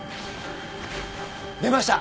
出ました。